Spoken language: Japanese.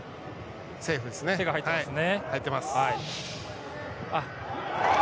セーフですね。